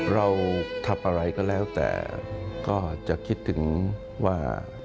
เราทำอะไรก็แล้วแต่ก็จะคิดถึงว่า